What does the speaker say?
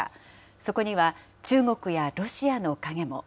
そこには中国やロシアの影も。